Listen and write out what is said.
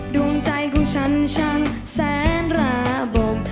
ดวงใจของฉันช่างแสนราบม